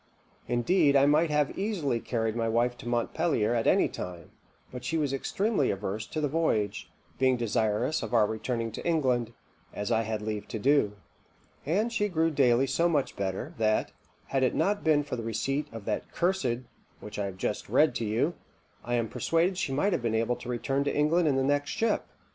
Indeed, I might have easily carried my wife to Montpelier at any time; but she was extremely averse to the voyage, being desirous of our returning to England, as I had leave to do; and she grew daily so much better, that, had it not been for the receipt of that cursed which I have just read to you, I am persuaded she might have been able to return to England in the next ship.